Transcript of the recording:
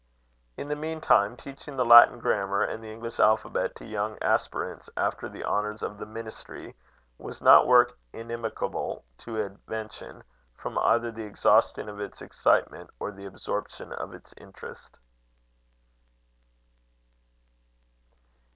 In the meantime, teaching the Latin grammar and the English alphabet to young aspirants after the honours of the ministry, was not work inimical to invention, from either the exhaustion of its excitement or the absorption of its interest.